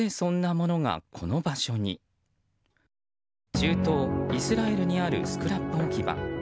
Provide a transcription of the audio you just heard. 中東イスラエルにあるスクラップ置き場。